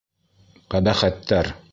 Ҡәбәхәттәр!